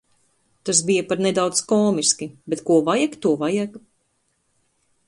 Tas bija pat nedaudz komiski, bet ko vajag, to vajag.